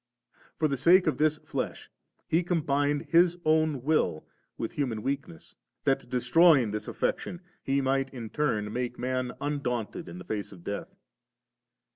For the sake of this flesh He combined His own will with human weakness', that destroying this afiection He might in turn make man undaunted in face of death.